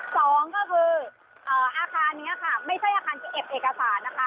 สองก็คืออาคารนี้ค่ะไม่ใช่อาคารที่เก็บเอกสารนะคะ